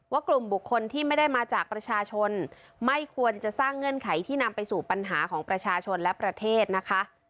กลุ่มบุคคลที่ไม่ได้มาจากประชาชนไม่ควรจะสร้างเงื่อนไขที่นำไปสู่ปัญหาของประชาชนและประเทศนะคะ